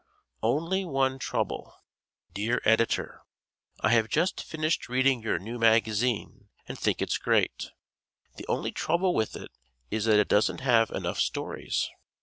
"Only One Trouble " Dear Editor: I have just finished reading your new magazine and think it's great. The only trouble with it is that it doesn't have enough stories.